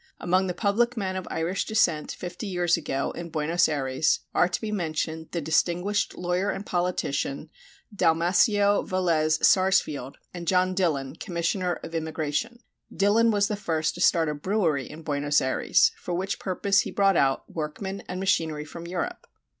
Among the public men of Irish descent, fifty years ago, in Buenos Ayres, are to be mentioned the distinguished lawyer and politician, Dalmacio Velez Sarsfield, and John Dillon, commissioner of immigration. Dillon was the first to start a brewery in Buenos Ayres, for which purpose he brought out workmen and machinery from Europe.